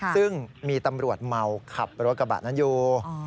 ซึ่งมีตำรวจเมาขับรถกระบะนั้นอยู่